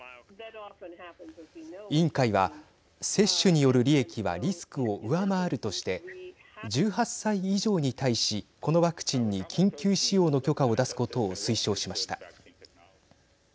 委員会は、接種による利益はリスクを上回るとして１８歳以上に対しこのワクチンに緊急使用の許可を出すことを推奨しました。